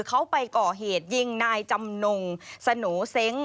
เขาไปก่อเหตุยิงนายจำนงสโหน่เซ้ง